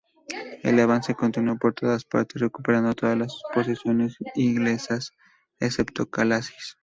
El avance continuó por todas partes, recuperando todas las posesiones inglesas excepto Calais.